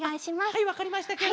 はいわかりましたケロ。